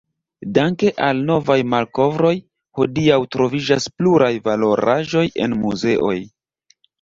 Danke al novaj malkovroj, hodiaŭ troviĝas pluraj valoraĵoj en muzeoj.